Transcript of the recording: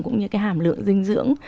cũng như cái hàm lượng dinh dưỡng